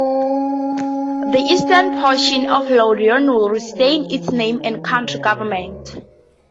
The eastern portion of Loudoun would retain its name and county government.